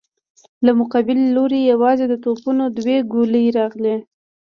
له مقابل لورې يواځې د توپونو دوې ګولۍ راغلې.